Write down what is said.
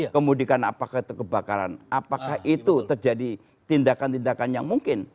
kemudian apakah itu kebakaran apakah itu terjadi tindakan tindakan yang mungkin